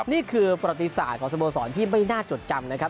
นี่คือประติศาสตร์ของสโมสรที่ไม่น่าจดจำนะครับ